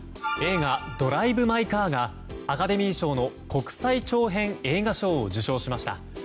映画「ドライブ・マイ・カー」がアカデミー賞の国際長編映画賞を受賞しました。